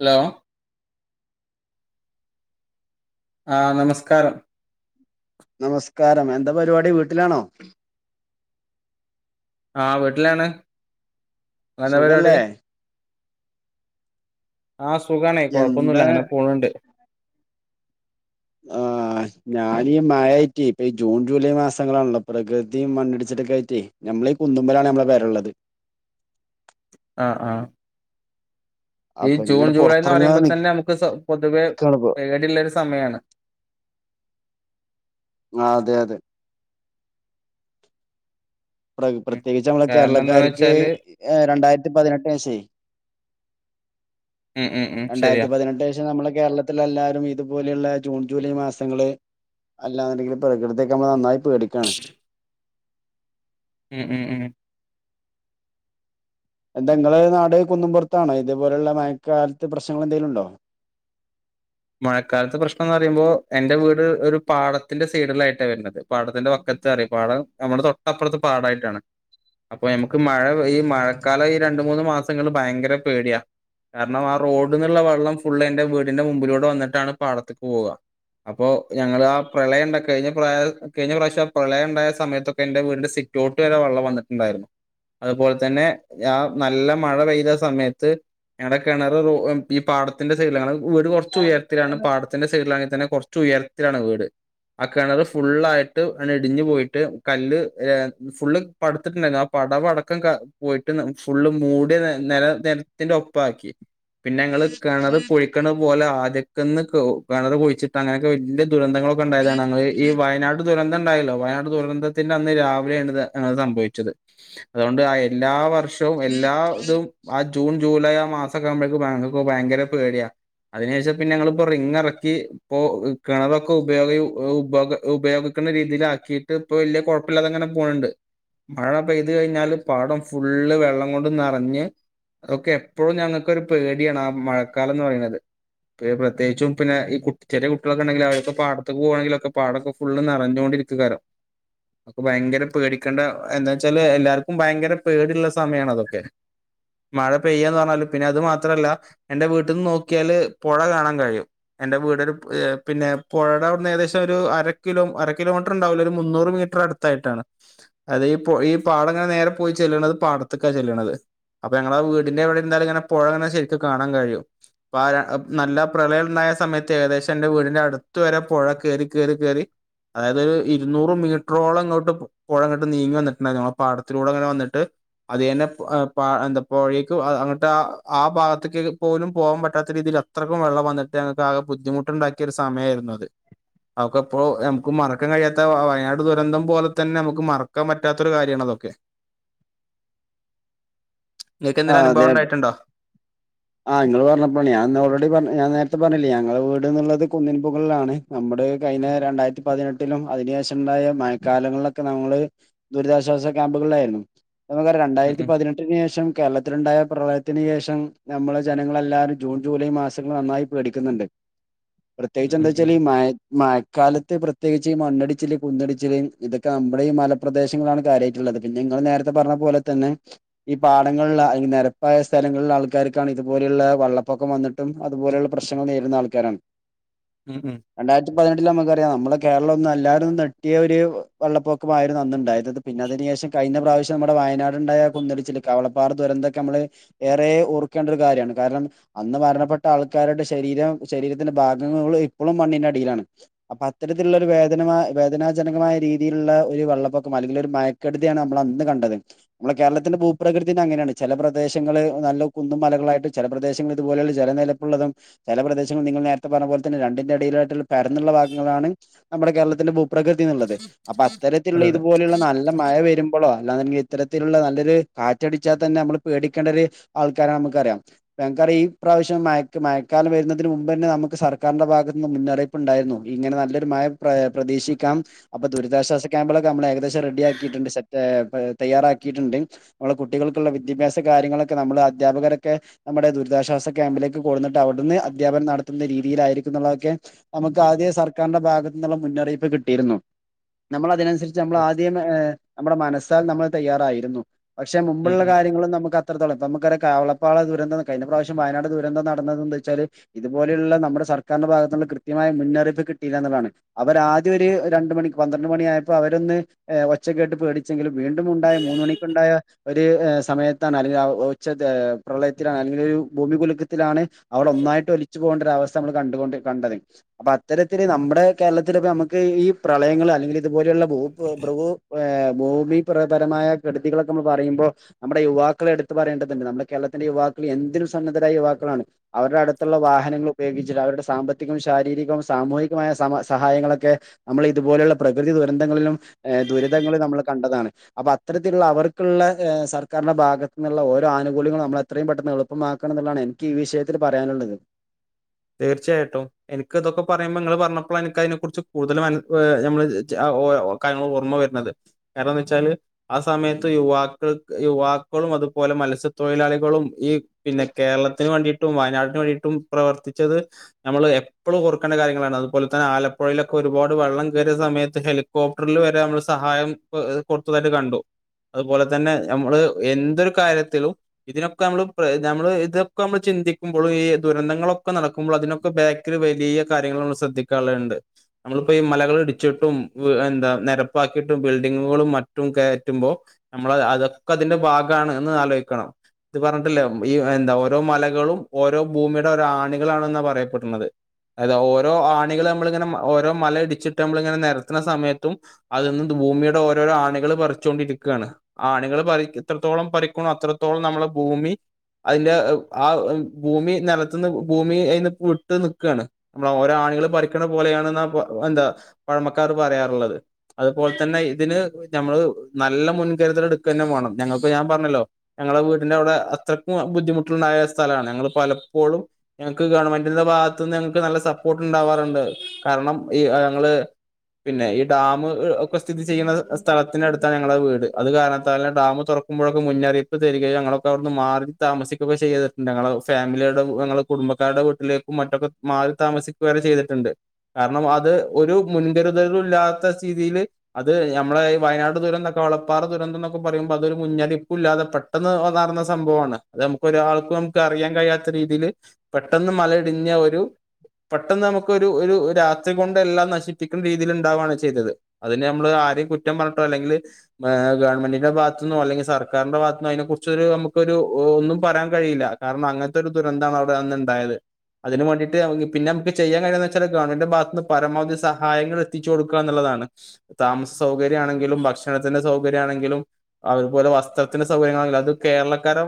Hello ആഹ് നമസ്കാരം നമസ്കാരം എന്താ പരിപാടി വീട്ടിലാണോ ആഹ് വീട്ടിലാണ് എന്താ പരിപാടി സുഖല്ലേ ആ സുഖാണെ കൊഴപ്പൊന്നുല്ല എന്താ അങ്ങനെ പോവ്ണ്ട് ആഹ് ആ ഞാനീ മഴായിറ്റെ ഇപ്പ ഈ ജൂൺ ജൂലൈ മാസങ്ങളാണല്ലോ പ്രകൃതിയും മണ്ണിടിച്ചിട്ടൊക്കെ ആയിട്ടേ ഞാ മ്മളെ കുന്നുമ്പലാണ് നമ്മളെ പെരെള്ളത് അഹ് ആഹ് ഈ അപ്പൊ ജൂൺ ഇങ്ങനെ ജൂലൈ എന്ന് പൊറത്തിറങ്ങാതെ പറയുമ്പ തന്നെ അമുക്ക് സ പൊതുവെ നിക്കാണിപ്പോ പേടീള്ളൊരു സ സമയാണ് ആഹ് അതെ അതെ പ്ര ഉം. പ്രത്യേകിച്ച് നമ്മളെ കാരണം എന്താന്ന് കേരളക്കാർക്ക് വെച്ചാല് രണ്ടാതിരത്തി പതിനെട്ടിന് ശേ ഉം ഉം ഉം ശരിയാ രണ്ടായിരത്തി പതിനെട്ട് ശേഷം നമ്മളെ കേരളത്തില് എല്ലാരും ഇതുപോലെയുള്ള ജൂൺ ജൂലൈ മാസങ്ങള് അല്ലാന്ന്ണ്ടെങ്കില് പ്രകൃതിയൊകെ നമ്മ നന്നായി പേടിക്കാണ് ഉം ഉം ഉം എന്താ ങ്ങളെ നാട് കുന്നും പുറത്താണോ? ഇതുപോലുള്ള മയക്കാലത്ത് പ്രശ്നങ്ങൾ എന്തെലും ണ്ടോ? മഴക്കാലത്ത് പ്രശ്നംന്ന് പറയുമ്പോ എന്റെ വീട് ഒരു പാടത്തിന്റെ സൈഡിലായിട്ടാണ് വരുന്നത് പാടത്തിന്റെ വക്ക ടുത്തറി പാടം നമ്മുടെ തൊട്ടപ്പുറത്ത് പാടായിട്ടാണ് അപ്പൊ നമുക്ക് മഴ ഈ മഴക്കാലം ഈ രണ്ട് മൂന്ന് മാസങ്ങൾ ഭയങ്കര പേടിയാ കാരണം ആ റോഡ് നിന്നുള്ള വെള്ളം ഫുള്ള് എൻ്റെ വീടിന്റെ മുമ്പിലൂടെ വന്നിട്ടാണ് പാടത്തേക്ക് പോവുക അപ്പോ ഞങ്ങൾ ആ പ്രളയം ഇണ്ടയി കഴിഞ്ഞ പ്ര കഴിഞ്ഞ പ്രാവശ്യം ആ പ്രളയം ഉണ്ടായ സമയത്തൊക്കെ എന്റെ വീടിന്റെ സി റ്റോട്ട് വരെ വള്ളം വന്നിട്ടുണ്ടായിരുന്നു അതുപോലെ തന്നെ ആ നല്ല മഴ പെയ്ത സമയത്ത് ഞങ്ങളടെ കെണറ് ഈ പാടത്തിന്റെ സൈഡിൽ ആണ് വീട് കുറച്ച് ഉയരത്തിലാണ് പാടത്തിന്റെ സൈഡിലാണ് തന്നെ കുറച്ച് ഉയരത്തിലാണ് വീട് ആ കെണറ് ഫുള്ളയിട്ട് ഇടിഞ്ഞു പോയിട്ട് കല്ല് ഫുള്ള് പടുത്തിട്ടുണ്ടായിര്ന്നു പടവടക്കം പോയിട്ട് ഫുള്ള് മൂടിയ നിര നിരത്തിന്റെ ഒപ്പ ആക്കി പിന്നെ ഞങ്ങള് കിണറ് കുഴിക്കണ പോലെ ആദ്യക്കന്ന് കിണറ് കുഴിച്ചിട്ട് അങ്ങനെയൊക്കെ വല്യ ദുരന്തങ്ങളൊക്കെ ഉണ്ടായതാണ് ഈ വയനാട് ദുരന്തം ഉണ്ടായല്ലോ വയനാട് ദുരന്തത്തിന്റെ അന്ന് രാവിലെയാണ് ഇത് സംഭവിച്ചത് അതുകൊണ്ട് ആ എല്ലാ വർഷ വും എല്ലാതും ആ ജൂൺ ജൂലൈ ആ മാസ ഓക്ക ആകൂമ്പഴേക്ക് ഞങ്ങക്ക് ഭയങ്കര പേടിയാ അതിന് ശേഷം പിന്നെ ഞങ്ങളിപ്പോ റിങ്ങ് ഇറക്കി ഇപ്പോ കിണറൊക്കെ ഉപയോഗ ഉപയോഗിക്കുന്ന രീതിയിലാ ക്കിയിട്ട് ഇപ്പൊ വലിയ കോഴപ്പില്ലാതെ അങ്ങനെ പോകണ്ട് മഴ പെയ്തു കഴിഞ്ഞാല് പാടം ഫുള്ള് വെള്ളം കൊണ്ട് നിറഞ്ഞ് അതൊക്കെ എപ്പോഴും ഞങ്ങൾക്കൊരു പേടിയാണ് ആ മഴക്കാലംന്ന് പറയുന്നത് ഇപ്പോ പ്രത്യേകിച്ചും പിന്നെ ഈ കു ചെറിയ കുട്ടികൾക്കെങ്കിൽ അവരൊക്കെ പാടത്ത് പൂവാണെങ്കിൽ ഓകെ പാടൊക്കെ ഫുള് നെറഞ്ഞോണ്ടി ര്ക്കാക്കാരം അപ്പൊ ഭയങ്കര പേടിക്കേണ്ട എന്താ വെച്ചാല് എല്ലാർക്കും ഭയങ്കര പേടിയുള്ള സമയാണ് അതൊക്കെ മഴ പെയ്യാന്ന് പറഞ്ഞാല് പിന്നെ അത് മാത്രല്ല എന്റെ വീട്ടിന്ന് നോക്കിയാല് പുഴ കാണാൻ കഴിയും എന്റെ വീട് ഒരു പിന്നെ പുഴയുടെ അവിട്ന്ന് ഏകദേശം ഒരു അര കിലോ അര കിലോമീ റ്റര് ണ്ടാവില്ലാ മുന്നൂറ് മീറ്റർ അടുത്തയിട്ടാണ് അത് ഈഈ പാടങ്ങനെ നേരെ പോയി ചെല്ലാണത് പാടത്ത് ചെല്ലണത് അപ്പൊ ഞങ്ങടെ വീടിന്റെ അവിടെനിന്നല് ഇങ്ങനെ പുഴങ്ങനെ ശരിക്കും കാണാൻ കഴിയും പാ നല്ല പ്രളയം ഉണ്ടായ സമയത്ത് ഏകദേശം എൻ്റെ വീടിന്റെ അടുത്ത് വരെ പുഴ കയറി കയറി കയറി അതായത് ഒരു ഇരുന്നൂറ് മീറ്ററോളം ഇങ്ങോട്ട് പുഴ ഇങ്ങോട്ട് നീങ്ങി വന്നിട്ടുണ്ടായിരുന്ന് ഞങ്ങടെ പാടത്തിലൂടെ അങ്ങനെ വന്നിട്ട് അത് തന്നെ എന്താപ്പോഴേക്ക് അങ്ങട്ട് ആ ഭാഗത്തേക്ക് പോലും പോകൻ പറ്റാത്ത രീതിയില് അത്രക്ക് വെള്ളം വന്നിട്ട് ഞങ്ങൾക്ക് ആകെ ബുദ്ധിമുട്ടുണ്ടാക്കിയ ഒരു സമയമായിരുന്നു അത് അതൊക്കെപ്പോ നമുക്ക് മറക്കാൻ കഴിയാത്ത വയനാട് ദുരന്തം പോലെ തന്നെ നമുക്ക് മറക്കാൻ പറ്റാത്തൊരു കാര്യണത് ഓക്കെ. നിങ്ങക്ക് എന്തേലും അനുഭവം ഉണ്ടായിട്ടുണ്ടോ ആഹ് നിങ്ങള് പറഞ്ഞപ്പോ ഞാൻന്ന് ഓൾറെഡി പറ ഞാൻ നേരത്തെ പറഞ്ഞില്ലേ ഞങ്ങടെ വീടുനുള്ളത് കുന്നിൻ മുകളിലാണ് നമ്മ ടെ കഴിഞ്ഞ രണ്ടായിരത്തി പതിനെട്ടിലും അതിനുശേഷം ഉണ്ടായ മഴക്കാലങ്ങളിലൊക്കെ നമ്മള് ദുരിതാശ്വാസ ക്യാമ്പുകളായിരുന്നു നമുക്ക് ഉം രണ്ടായിരത്തി പതിനെട്ടിന് ശേഷം കേരളത്തിലുണ്ടായ പ്രളയത്തിന് ശേഷം നമ്മള് ജനങ്ങളെല്ലാരും ജൂൺ ജൂലൈ മാസങ്ങള് നന്നായി പേടിക്കുന്നുണ്ട് ഉം പ്രത്യേകിച്ച് ഉം എന്താ ഉം ഉം വെച്ചാൽ ഈ മ മഴക്കാല ത്ത് പ്രത്യേകിച്ച് ഈ മണ്ണടിച്ചില് കുന്നടിച്ചില് ഇതൊക്കെ നമ്മടെ ഈ മലപ്രദേശങ്ങളാണ് കാര്യമായിട്ടുള്ളത് പിന്നെ നിങ്ങള് നേരത്തെ പറഞ്ഞ പോലെ തന്നെ ഈ പാടങ്ങളിലാ ആ നിരപ്പായ സ്ഥലങ്ങളി ആൾക്കാ ർക്കാണ് ഇതുപോലെയുള്ള വെള്ളപൊക്കം വന്നിട്ടും അതുപോലെയുള്ള പ്രശ്നങ്ങൾ നേരിടുന്ന ആൾക്കാരാണ് ഉം ഉം രണ്ടായിരത്തിപതിനെട്ടിൽ നമുക്കറിയാം നമ്മളൊക്കെ കേരളം ഒന്നും എല്ലാരും ഞെട്ടിയ ഒരു വെള്ളപ്പൊക്കമായിരുന്നു അന്ന് ഉണ്ടായത് പിന്നെ അതിന് ശേഷം കഴിഞ്ഞ പ്രാവശ്യം നമ്മടെ വയനാട് ഇണ്ടായ കുന്നടിച്ചിൽ കവളപ്പാറ ദുരന്തൊക്കെ നമ്മള് ഏറെ ഓർ ക്കേണ്ട ഒരു കാര്യമാണ് കാരണം അന്ന് മരണപ്പെട്ട ആൾക്കാരുടെ ശരീരം ശരീരത്തിന്റെ ഭാഗങ്ങൾ ഇപ്പോഴും മണ്ണിനടി നടിയിലാണ് അപ്പോ അത്തരത്തിലുള്ള ഒരു വേദനയ വേദനാജനകമായ രീതിയിലുള്ള ഒരു വെള്ളപ്പൊക്കം അല്ലെങ്കിൽ ഒരു മഴ ക്കെടുതിയാണ് നമ്മള് അന്ന് കണ്ടത് നമ്മളെ കേരളത്തിന്റെ ഭൂപ്രകൃതി തന്നെ അങ്ങനെയാണ് ചില പ്രദേശങ്ങള് നല്ല കുന്നും മലകളായിട്ട് ചില പ്രദേശങ്ങൾ ഇതുപോലെയുള്ള ജലനിലപ്പുള്ളതും ചില പ്രദേശങ്ങളൾ നിങ്ങൾ നേരത്തെ പറഞ്ഞ പോലെ തന്നെ രണ്ടിന്റെ ഇടയിലായിട്ടുള്ള പരന്നുള്ള ഭാഗങ്ങളാണ് നമ്മുടെ കേരളത്തിന്റെ ഭൂ പ്രകൃതി എന്നുള്ളത് അപ്പൊ അതെ അത്തരത്തിലുള്ള അതെ ഇതുപോലെയുള്ള നല്ല മഴ വരുമ്പോളൊ അല്ലാന്നുണ്ടെങ്കിൽ ഇത്തരത്തിലുള്ള നല്ലൊരു കാറ്റടിച്ചാൽ തന്നെ നമ്മള് പേടിക്കേണ്ടെ ഒരു ആൾക്കാരെ നമുക്കറിയാം ഇപ്പം നമുക്കറിയാ ഈ പ്രാവശ്യം മഴ മഴക്കാലം വരുന്നതിന് മുൻമ്പ് തന്നെ നമുക്ക് സർക്കാരിന്റെ ഭാഗത്ത് മുന്നറിയിപ്പ് ഉണ്ടായിരുന്നു ഇങ്ങനെ നല്ലൊരു മ മയ പ്രതീക്ഷിക്കാം അപ്പൊ ദുരിതാശ്വാസ ക്യാമ്പുകളൊക്കെ നമ്മൾ ഏകദേശം റെഡി ആക്കീട്ടുണ്ട് തയ്യാറാക്കിയിട്ടുണ്ട് നമ്മെ കുട്ടികൾക്കുള്ള വിദ്യാഭ്യസ കാര്യങ്ങളൊക്ക നമ്മള് അധ്യാപകരൊക്കെ നമ്മുടെ ദുരിതാശ്വാസ ക്യാമ്പിലേക്ക് കൊണ്ടുന്നിട്ട് അവിടുന്ന് അധ്യാപനം നടത്തുന്ന രീതിയിലായിരിക്കും തൊക്കെ നമുക്ക് ആദ്യമെ സർക്കാരിന്റെ ഭാഗത്ത് നിന്നുള്ള മുന്നറിയിപ്പ് കിട്ടിയിരുന്നു നമ്മൾ അതിനനുസരിച്ച് നമ്മൾ ആദ്യ നമ്മുടെ മനസ്സാൽ നമ്മൾ തയ്യാറായിരുന്നു പക്ഷെ ഉം മുമ്പുള്ള ഉം കാര്യങ്ങളും നമുക്ക് നമുക്ക് അറിയാം കാവളപ്പാള ദുരന്തം കഴിഞ്ഞ പ്രാവിശ്യം വയനാട് ദുരന്തം നടന്നത് എന്താന്ന് വെച്ചാല് ഇത്പോലെയുള്ള നമ്മുടെ സർക്കാര് ഭാഗത്ത് നിന്നു ഈ കൃത്യമായ മുന്നറിയിപ്പ് കിട്ടിയില്ല എന്നുള്ളതാണ് അവർ ആദ്യം ഒരു രണ്ട് മണി പന്ത്രണ്ട് മണിയായപ്പോ അവര് ഒച്ചക്കേട്ട് പേടിച്ചെങ്കിലും വീണ്ടും ഉണ്ടായ മൂന്ന് മണിക്ക് ഉണ്ടായ ഒരു സമയത്ത് അല്ലെങ്കിൽ ആഹ് ഒച്ചത്തില് പ്രളയത്തിലാണ് അല്ലെങ്കിൽ ഒരു ഭൂമികുലുക്കത്തിലാണ് അവിടെ ഒന്നായിട്ട് ഒലിച്ച് പോകണ്ട ഒരു അവസ്ഥ നമ്മൾ കണ്ടുകൊണ്ട് കണ്ടത് അപ്പൊ അത്തരത്തില് നമ്മുടെ കേരളത്തില് ഇപ്പോ നമുക്ക് ഈ പ്രളയങ്ങള് അല്ലെങ്കിൽ ഇതുപോലെയുള്ള ഭു ഭു ഭൂമി പ്രഭരമായ കെടുതികളൊക്കെ നമ്മൾ പറയുമ്പോൾ നമ്മുടെ യുവാ യുവാക്കളെ എടുത്ത് പറയേണ്ടതുണ്ട് നമ്മുടെ കേരളത്തിന്റെ യുവാക്കൾ എന്തിനും സന്നദ്ധരായ യുവാക്കളാണ് അവരു അടുത്തുള്ള വാഹനങ്ങൾ ഉപയോഗിക്കുന്നത് അവരുടെ സാമ്പത്തികവും ശാരീരികവും സാമൂഹികമായ സഹായ സഹായങ്ങളൊക്കെ നമ്മൾ ഇതുപോലെയുള്ള പ്രകൃതി ദുരന്ത ങ്ങളിലും ദുരിതങ്ങളും നമ്മൾ കണ്ടതാണ് അപ്പൊ അത്തരത്തിലുള്ള അവർക്കുള്ള സർക്കാരിന്റെ ഭാഗത്ത് നിന്നുള്ള ഓരോ ആനുകൂല്യങ്ങളും നമ്മൾ എത്രയും പെട്ടെന്ന് എളുപ്പമാക്കണം എന്നുള്ളതാണ് എനിക്ക് ഈ വിഷയത്തിൽ പറയാനുള്ളത് തീർച്ചയായിട്ടും എനിക്ക് ഇതൊക്കെ പറയുമ്പോ നിങ്ങള് പറഞ്ഞപ്പോൾ എനക്ക് അതിനെ കുറിച്ച് കൂടുതൽ ഓരോ കാര്യങ്ങൾ ഓർമ്മ വരുന്നത് കാരണംന്ന് വെച്ചാല് ആ സമയത്ത് യുവാക്കൾക്ക് യുവാക്കളും അതുപോലെ മത്സ്യത്തൊഴിലാളികളും ഈ പിന്നെ കേരളത്തിന് വേണ്ടിട്ടും വയനാട്ടിന് വേണ്ടിട്ടും പ്രവർ ച്ചത് നമ്മൾ എപ്പോഴും ഓർക്കേണ്ട കാര്യങ്ങളാണ് അതുപോലെ തന്നെ ആലപ്പുഴയിലൊക്കെ ഒരുപാട് വെള്ളം കയറിയ സമയത്ത് ഹെലികോപ്റ്ററിൽ വരെ നമ്മള് സഹായം കൊടുത്തതായിട്ട് കണ്ടു അതുപോലെ തന്നെ ഞമ്മള് എന്തൊരു കാര്യത്തിലും ഇതിനൊക്കെ ഞമ്മള് ഞമ്മള് ഇതൊക്കെ ഞമ്മ ചിന്തിക്കുമ്പോൾ ഈ ദുരന്തങ്ങളൊക്കെ ഒക്കെ നടക്കുമ്പോൾ അതിനൊക്കെ ബേക്കിൽ വലിയ കാര്യങ്ങൾ നമ്മൾ ശ്രദ്ധിക്കാറുണ്ട് നമ്മളിപ്പോ ഈ മലകൾ ഇടിച്ചിട്ടും എന്താ നിരപ്പാക്കിയിട്ടും ബിൽഡിങ്ങുകളും മറ്റും കയറ്റുമ്പോൾ നമ്മൾ അതൊക്കെ അതിന്റെ ഭാ ഗമാണ്ന്ന് ആലോചിക്കണം ഇത് പറഞ്ഞിട്ടില്ലേ ഈ എന്താ ഓരോ മലകളും ഓരോ ഭൂമിയുടെ ആണി കളാണെന്നാ പറയപ്പെടുന്നത് അത് ഓരോ ആണികൾ നമ്മള് ഇങ്ങനെ ഓരോ മല ഇടിച്ചിട്ട് നമ്മള് ഇങ്ങനെ നിരത്തുന്ന സമയത്തും അതൊന്നും ഭൂമിയുടെ ഓരോരോ ആണികൾ പറിച്ചുകൊണ്ടിരിക്കയാണ് ആണികൾ എത്രത്തോളം പറിക്കണോ അത്രത്തോളം നമ്മള് ഭൂമി അതിന്റെ ആ ഭൂമി നിലത്തുന്ന് ഭൂമി ഏഹ് വിട്ട് നിക്കുകയാണ് നമ്മള് ഓരോ ആണികള് പറിക്കുന്ന പോലെയാണ്ന്ന എന്താ പഴമക്കാര് പറയാറുള്ളത് അതുപോലെ തന്നെ ഇതിന് നമ്മള് നല്ല മുൻകരുതല് എടുക്ക തന്നെ വേണം ഞാൻ പറഞ്ഞല്ലോ ഞങ്ങളെ വീടിന്റെ അവിടെ അത്രയ്ക്കും ബുദ്ധിമുട്ടുണ്ടായ സ്ഥലാണ് ഞങ്ങള് പലപ്പോഴും ഞങ്ങക്ക് ഗവണ്മെന്റിന്റെ ഭാഗത്തു നിന്ന് ഞങ്ങക്ക് നല്ല സപ്പോർട്ട് ഉണ്ടാവാറുണ്ട് കാരണം ഈ ഞങ്ങള് പിന്നെ ഈ ഡാം ഒക്കെ സ്ഥിതി ചെയ്യുന്ന സ്ഥലത്തിന്റെ അടുത്താണ് ഞങ്ങളുടെ വീട് അത് കാരണത്താല ഡാം തുറക്കുമ്പോ ഒക്കെ മുന്നറിയിപ്പ് തരികയും ഞങ്ങളൊക്കെ അവിന്ന് മാറി താമസിക്കുക്കെ ചെയ്തിട്ടുണ്ട് ഞങ്ങൾ ഫാമിലിയുടെ ഞങ്ങള് കുടുംബക്കാരുടെ വീട്ടിലേക്കും മറ്റൊക്കെ മാറി താമസിക്കുക വരെ ചെയ്തിട്ടുണ്ട് കാരണം അത് ഒരു മുൻകരുതലും ഇല്ലാത്ത രീത സ്ഥിതിയില് അത് നമ്മളെ വയനാട് ദുരന്തൊക്കെ വളപ്പാറ ദുരന്തം എന്നൊക്കെ പറയുമ്പോ അതൊരു മുന്നറിയിപ്പും ഇല്ലാതെ പെട്ടെന്ന് വന്നാറന്ന സംഭവമാണ് അത് നമുക്ക് ഒരാൾക്കും ന അറിയാൻ കഴിയാത്ത രീതിൽ പെട്ടെന്ന് മലയിടിഞ്ഞ ഒരു പെട്ടെന്ന് നമുക്ക് ഒരു ഒരു രാത്രി കൊണ്ട് എല്ലാം നശിപ്പിക്കുന്ന രീതിയിൽ ഉണ്ടാവാണ് ചെയ്തത് അതിന് നമ്മൾ കുറ്റം പറഞ്ഞിട്ടോ അല്ലെങ്കിൽ ഗവൺമെന്റിന്റെ ഭാഗത്ത് നിന്നോ അല്ലെങ്കില് സർക്കാന്റെ ഭാഗത്ത് നിന്നോ അതിനെ കുറിച്ച് ഒരു നമുക്ക് ഒരു ഒരു ഒന്നും പറയാൻ കഴിയില്ല കാരണം അങ്ങനത്തെ ഒരു ദുരന്തമാണ് അവിടെ അന്ന് ഉണ്ടായത് അതിന് വേണ്ടിട്ട് പിന്നെ നമുക്ക് ചെയ്യൻ കഴിയുന്നത് വെച്ചാല് ഗവൺമെന്ന്റെ ഭാഗത്ത് പരമാവധി സഹായങ്ങൾ എത്തിച്ച കൊടുക്കുക എന്നുള്ളതാണ് താമസ സൗകര്യംമാണെങ്കിലും ഭക്ഷണത്തിന്റെ സൗകര്യം ആണെങ്കിലും അതുപോലെ വസ്ത്രത്തിന്റെ സൗകര്യങ്ങളാണെകിലും കേരളക്കാര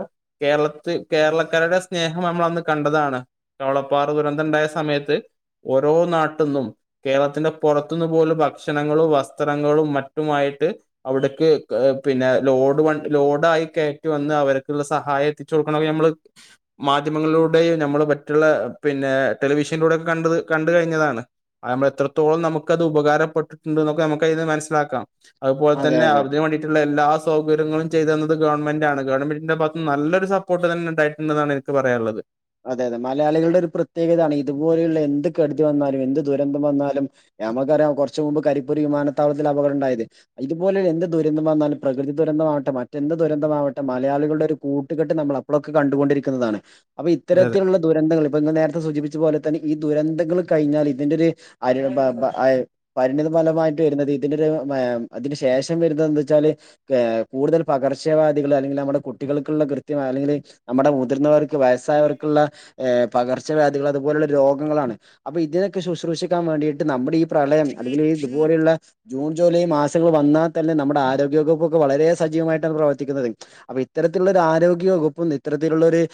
കേരളത്ത് കേരളക്കാരുടെ സ്നേഹം നമ്മൾ അന്ന് കണ്ടതാണ് കവളപ്പാറ ദുരന്തണ്ടായ സമയത്ത് ഓരോ നാട്ട്ന്നും കേരളത്തിന്റെ പുറത്തുന്ന് പോലും ഭക്ഷണങ്ങളും വസ്ത്രങ്ങളും മറ്റുമായി ന്നട്ട് അവിട പിന്നെ ലോഡ് ലോഡായി കയറ്റി വന്ന് അവർക്കുള്ള സഹായം [unintelligible] നമ്മള് മാധ്യമങ്ങളിലൂ നമ്മള് മറ്റുള്ള പിന്നെ ടെലിവിഷനിലൂടെ കണ്ട് കണ്ടണ്ട് കഴിഞ്ഞതാണ് നമ്മ എത്രത്തോളം നമുക്കത് ഉപകാരപ്പെട്ടിട്ടുണ്ട്ന്നോക്കെ നമുക്ക് അതിന് മനസിലാക്കാം അതുപോലെ അതെ തന്നെ അതിന് വേണ്ടിട്ടുള്ള എല്ലാ സൗകര്യങ്ങളും ചെയ്തു തന്നുന്നത് ഗവൺമെന്റ്ണല്ലോ ഗവൺമെന്റിന്റെ ഭഗത്ത് നല്ലൊരു സപ്പോർട്ട് തന്നെണ്ടായിട്ടുണ്ടന്നതാണ് എനിക്ക് പറയാനുള്ളത് അതെ അതെ മലയാളികളുടെ ഒരു പ്രത്യേകതയാണ് ഇതുപോലെയുള്ള എന്ത് കെടുതി വന്നാലും എന്ത് ദുരന്തം വന്നാലും നമുക്കറിയാം കുറച്ചമുമ്പ് കരിപ്പൂരി വിമാനത്താവളത്തിൽ അപകട ഉണ്ടായത് ഇതു പോലെ എന്ത് ദുരന്തം വന്നാലും പ്രകൃതി ദുരന്തം മാവട്ടെ മറ്റെന്ത ദുരന്തമാവട്ടെ മലയാളികളുടെ ഒരു കൂട്ടുകെട്ട് നമ്മൾ അപ്പോഴൊക്കെ കണ്ടുകൊണ്ടിരിക്കുന്നതാണ് അപ്പൊ അതെ അതെ ഇത്തരത്തിലുള്ള ദുരന്തങ്ങൾ അപ്പ ഇങ്ങള് നേര ത്തെ സൂചിപ്പിച്ച പോലെ തന്നെ ഈ ദുരന്തങ്ങൾ കഴിഞ്ഞാൽ ഇതിന്റെ ഒരു പരിണിത ഫലമായി ട്ട് വരുന്നത് ഇതിനൊരു അതിന് ശേഷം വരുന്നത് വെചാല് ഏഹ് കൂടുതൽ പകർച്ചവാദികൾ അല്ലെങ്കി നമ്മുടെ കുട്ടികൾക്കുള്ള കൃത്യം അല്ലെങ്കിൽ നമ്മുടെ മുതിർന്നവർക്ക് വയസ്സായവർക്കുള്ള പകർച്ചവ്യാധികൾ അതുപോലുള്ള രോഗങ്ങളാണ് അപ്പൊ ഇതിനൊക്കെ ശുശ്രൂഷിക്കാൻ വേണ്ടിയിട്ട് നമ്മുടെ ഈ പ്രളയം അല്ലെങ്കിൽ ഇതുപോലെയുള്ള ജൂൺ ജൂലൈ മാസങ്ങൾ വന്നാൽ തന്നെ നമ്മുടെ ആരോഗ്യവകുപ്പ് ഒക്കെ വളരെ സജീവമായിട്ട പ്രവർത്തിക്കുന്നത് അപ്പൊ ഇത്തരത്തിലുള്ള ആരോഗ്യ വകുപ്പും ഇത്തരത്തിലുള്ള യു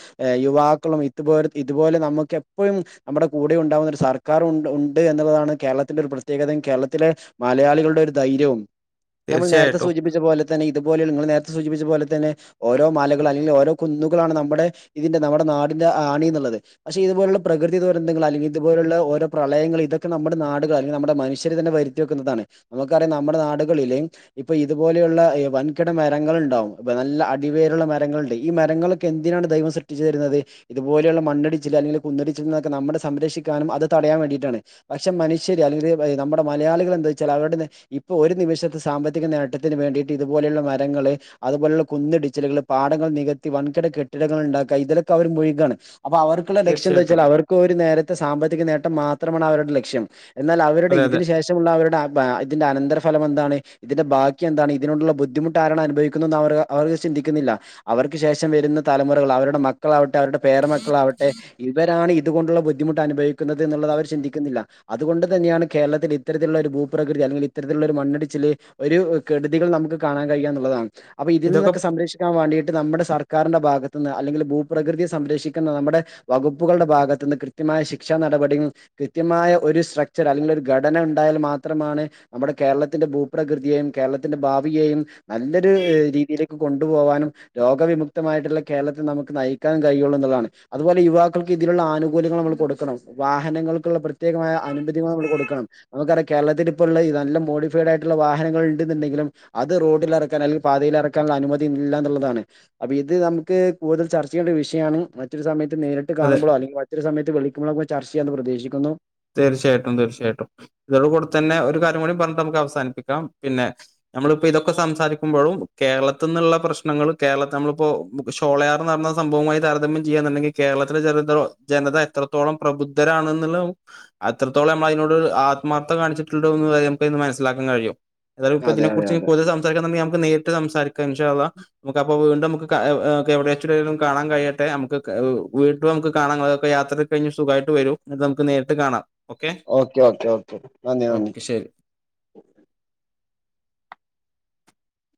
യുവാക്കളും ഇതുപോരെ ഇതുപോലെ നമുക്ക് എപ്പോഴും നമ്മുടെ കൂടെ ഉണ്ടാവുന്ന ഒരു സർക്കാർ ഉണ്ട് ഉണ്ട് എന്നുള്ളതാണ് കേരളത്തിന്റെ ഒരു പ്രത്യേകതയും കേരളത്തിലെ മലയാളികളുടെ ഒരു ധൈര്യവും ഞമ്മൾ നേരത്തെ തീർച്ചയായിട്ടും സൂചിപ്പിച്ച പോലേ തന്നെ ഇത്പോലുള്ള നിങ്ങൾ നേര ത്തെ സൂചിപ്പിച്ച പോലെ തന്നെ ഓരോ മലകൾ അല്ലെങ്കിൽ ഓരോ കുന്നുകളാണ് നമ്മുടെ ഇതിന്റെ നമ്മുടെ നാടിന്റെ ആണി എന്നുള്ളത് പക്ഷെ ഇതുപോലുള്ള പ്രകൃതി ദുരന്തങ്ങൾ അല്ലെങ്കിൽ ഇതുപോലുള്ള ഓരോ പ്രളയങ്ങൾ ഇതൊക്കെ നമ്മുടെ നാട് അല്ലെങ്കിൽ നമ്മുടെ മനുഷ്യര് തന്നെ വരുത്തി വെക്കുന്നതാണ് നമുക്കറിയാം നമ്മുടെ നാടുകളിൽ ഇപ്പൊ ഇതുപോലെയുള്ള വൻകിട മരങ്ങളുണ്ടാവും നല്ല അടിവേരുള്ള മരങ്ങളുണ്ട് ഈ മരങ്ങളൊക്കെ എന്തിനാണ് ദൈവം സൃഷ് ട്ടിച്ചു തരുന്നത് ഇതുപോലെയുള്ള മണ്ണടിച്ചിൽ അല്ലെങ്കിൽ കുന്നിടിച്ചിൽ എന്നൊക്കെ നമ്മടെ സംരക്ഷിക്കാനും അത് തടയാൻ വേണ്ടിയിട്ടാണ് പക്ഷെ മനുഷ്യര് അല്ലെങ്കിൽ നമ്മുടെ മലയാളികൾ എന്താ വെച്ചാൽ അവരുടെ ഇപ്പൊ ഒരു നിമിഷത്തെ സാമ്പത്തിക നേട്ടത്തിന് വേ [unintelligible] ഇതുപോലുള്ള മരങ്ങൾ അതുപോലുള്ള കുന്നിടിച്ചിലുകൾ പാടങ്ങൾ നികത്തി വൻകിട കെട്ടിടങ്ങൾ ഉണ്ടാ [unintelligible] ഇതിലൊക്കെ അവർ മുഴുകാണ് അപ്പൊ അവർക്കുള്ള ലക്ഷ്യം എന്താ വെച്ചാൽ തീർച്ചയായിട്ടും. അവർക്ക് ഒരു നേരത്തെ സാമ്പത്തിക നേ ട്ടം മാത്രമാണ് അവരുടെ ലക്ഷ്യം എന്നാൽ അവരുടെ അതെ, അതെ. ഇതിന് ശേഷമുള്ള അവരുടെ അഹ് ഇതിന്റെ അനന്തരഫലം ണ് ഇതിന്റെ ബാക്കി എന്താണ് ഇതിനോടുള്ള ബുദ്ധിമുട്ട് ആരാണ് അനുഭവിക്കുന്നു അവർ ചിന്തിക്കുന്നില്ല അവർക്ക് ശേ ശേഷം വരുന്ന തലമുറകൾ അവരു ടെ മക്കളാവട്ടെ അവരുടെ പേരമക്കളാവട്ടെ ഇവരാണ് ഇതുകൊണ്ടുള്ള ബുദ്ധിമുട്ട് അനുഭവിക്കുന്നത് എന്നുള്ളത് അവർ ചിന്തിക്കുന്നി ല്ല അതുകൊണ്ട് തന്നെയാണ് കേരളത്തിൽ ഇത്തരത്തിലുള്ള ഒരു ഭൂപ്രകൃതി അല്ലെങ്കിൽ ഇത്തരത്തിലുള്ള ഒരു മണ്ണിടിച്ചിൽ ഒരു കെടു തികൾ നമുക്ക് കാണാൻ കഴിയാ എന്നുള്ളതാണ് അപ്പൊ ഇതിൽ ഇതൊക്കെ നിന്നൊക്കെ സംരക്ഷിക്കാൻ വേണ്ടിട്ട് നമ്മുടെ സർക്കാരിന്റെ ഭാഗത്തുന്ന് അല്ലെങ്കില് ഭൂപ്രകൃതിയെ സംരക്ഷിക്കുന്ന നമ്മുടെ വകുപ്പുകളുടെ ഭാഗത്തുനിന്ന് കൃത്യമായ ശിക്ഷാ നടപടി കൃത്യമാ [unintelligible] ഒരു സ്ട്രക്ച്ചർ അല്ലെങ്കിൽ ഒരു ഘടന ഉണ്ടായാൽ മാത്രമാണ് നമ്മുടെ കേരളത്തിന്റെ ഭൂപ്രകൃതിയെയും കേരളത്തിന്റെ ഭാവിയെയും നല്ലൊരു രീതിയിലേക്ക് കൊണ്ടുപോകാനും രോഗവിമുക്തമായിട്ടുള്ള കേരളത്തിൽ നമു ക്ക് നയിക്കാൻ കഴിയുള്ള എന്നതാണ് അതുപോലെ യുവാക്കൾക്ക് ഇതിലുള്ള ആനുകൂല്യങ്ങൾ നമ്മൾ കൊടുക്കണം വാഹനങ്ങൾക്കുള്ള പ്രത്യേ മായാ അനുമതി നമ്മൾ കൊടുക്കണം നമുക്കറിയാം കേരളത്തിൽ ഇപ്പോ ഉള്ള നല്ല മോഡിഫൈഡ് ആയിട്ടുള്ള വാഹനങ്ങൾ ഉണ്ടുന്നുണ്ടെങ്കിലും അത് റോഡിൽ ഇറക്കാൻ അല്ലെങ്കിൽ പാതയിൽ ഇറക്കാനുള്ള അനുമതി ഇല്ല എന്നുള്ളതാണ് അപ്പൊ ഇത് നമുക്ക് കൂടുതൽ ചർച്ച ചെയ്യണ്ട ഒരു വിഷയമാണ് മറ്റൊരു സമയത്ത് നേരിട്ട് അതെ. കാണുമ്പളൊ അല്ലെങ്കിൽ മറ്റൊരു സയത്ത് വിളിക്കുമോ ചർച്ച ചെയ്യാന്ന് പ്രതീക്ഷിക്കുന്നു തീർച്ചയായിട്ടും തീർച്ചയായിട്ടും ഇതോട കൂടെ തന്നെ ഒരു കാര്യം കൂടി പറഞ്ഞിട്ട് നമുക്ക് അവസാനിപ്പിക്കാം പിന്നെ നമ്മളിപ്പോ ഇതൊക്കെ സംസാരിക്കുമ്പോഴും കേരളത്തിന്ന് ള്ള പ്രശ്നങ്ങൾ കേരളത്തിൽ നമ്മളിപ്പോ ഷോളയാർ എന്ന് പറഞ്ഞ സംഭവമായി താരതമ്യം ചെയ്യന്നുണ്ടെങ്കിൽ കേരളത്തിലെ ജന ജനത എത്രത്തോളം പ്രബുദ്ധരാണന്ന് ഉള്ള നമു അത്രത്തോളം നമ്മളായിനോട് ആത്മാർത്ഥം കാണിച്ചിട്ടുണ്ടോ നമുക്കതിന്നു മനസ്സിലാക്കാൻ കഴിയും ഏതായാലും ഇപ്പോ അതെ അതെ ഇതിനെക്കുറിച്ച് അതെ പുതിയ സംസാരം തുടങ്ങി, അപ്പോൾ നേരിട്ട് സംസാരിക്കാം ഇൻഷാ അല്ലാഹ് നമുക്ക് അപ്പൊ വീ [unintelligible] എവിടെച്ചും കാണാൻ കഴിയട്ടെ നമുക്ക് വീണ്ടും കാണാൻ യാത്രയൊക്കെ കഴിഞ്ഞു. സുഖമായിട്ട് വരും നമുക്ക് നേ ഓക്കെ ഓക്കെ ഓക്കെ നന്ദി നന്ദി ഓക്കെ ശരി